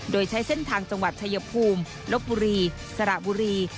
โดยใช้เส้นทางจังหวัดชายภูมิลบบุรีสระบุรี